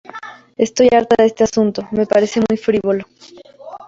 Estoy harta de este asunto, me parece muy frívolo.